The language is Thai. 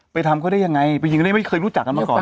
ไปทำก็ได้อย่างไรเป็นยิงไม่เคยรู้จักกันมาก่อน